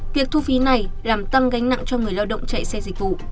việc thu phí này làm tăng gánh nặng cho người lao động chạy xe dịch vụ